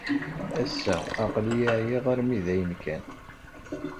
Ass-a, aql-iyi ɛyiɣ armi d ayen kan.